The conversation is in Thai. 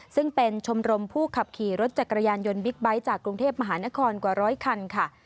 ซึ่งเป็นชมรมผู้ขับขี่รถจักรยานยนต์บิ๊กไบท์จากกรุงเทพมหานครกว่าร้อยคันค่ะ